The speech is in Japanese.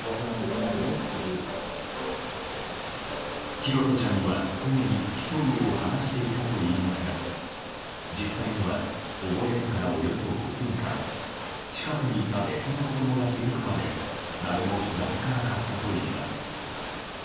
拓杜ちゃんには常に付き添うよう話していたといいますが実際には溺れてからおよそ５分間近くにいた別の子供が気づくまで誰も気が付かなかったといいます。